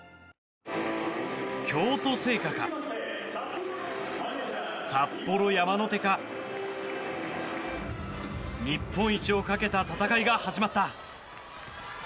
京都精華か、札幌山の手か日本一をかけた戦いが始まった。